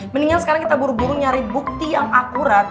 mendingan sekarang kita buru buru nyari bukti yang akurat